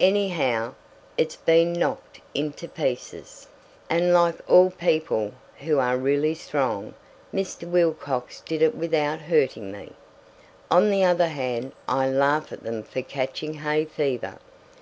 Anyhow, it's been knocked into pieces, and, like all people who are really strong, Mr. Wilcox did it without hurting me. On the other hand, I laugh at them for catching hay fever.